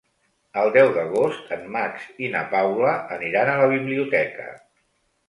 El deu d'agost en Max i na Paula aniran a la biblioteca.